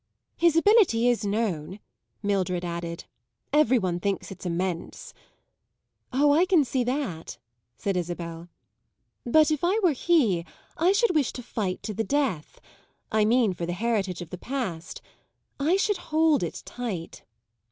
"His ability is known," Mildred added; "every one thinks it's immense." "Oh, I can see that," said Isabel. "But if I were he I should wish to fight to the death: I mean for the heritage of the past. I should hold it tight."